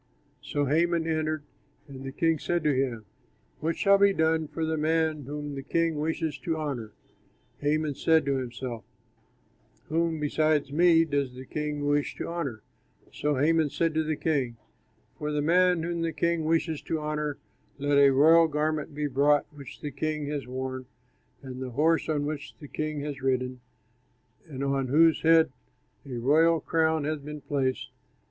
So Haman entered, and the king said to him, "What shall be done for the man whom the king wishes to honor?" Haman said to himself, "Whom besides me does the king wish to honor?" So Haman said to the king, "For the man whom the king wishes to honor let a royal garment be brought, which the king has worn, and the horse on which the king has ridden and on whose head a royal crown has been placed.